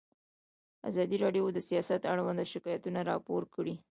ازادي راډیو د سیاست اړوند شکایتونه راپور کړي.